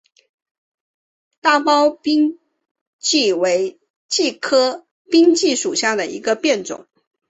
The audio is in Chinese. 大苞滨藜为藜科滨藜属下的一个变种。